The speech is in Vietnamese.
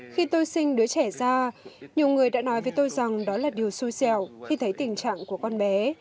khi tôi sinh đứa trẻ ra nhiều người đã nói với tôi rằng đó là điều xui xẻo khi thấy tình trạng của con bé